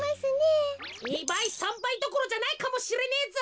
２ばい３ばいどころじゃないかもしれねえぞ。